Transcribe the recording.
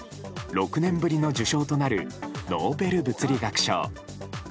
６年ぶりの受賞となるノーベル物理学賞。